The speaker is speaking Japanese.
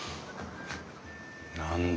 何だ？